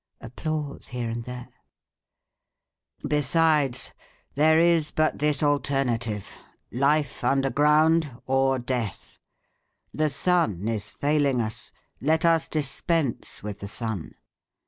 (Applause here and there.) Besides, there is but this alternative: life underground or death. The sun is failing us: let us dispense with the sun.